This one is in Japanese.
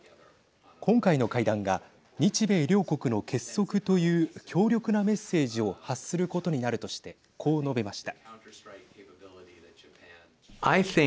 今回の会談が日米両国の結束という強力なメッセージを発することになるとしてこう述べました。